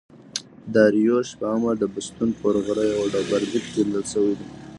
داریوش په امر د بستون پر غره یو ډبر لیک کیندل سوی دﺉ.